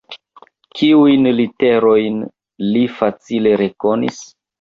Kiujn literojn li facile rekonis?